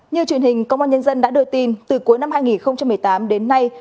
như truyền hình công an nhân dân đã đưa tin từ cuối năm hai nghìn một mươi tám đến nay